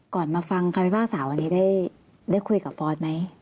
ก่อนมาฟังครับพี่พ่อสาววันนี้ได้คุยกับฟอร์ตไหม